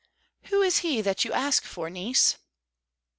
"Who is he that you ask for niece?"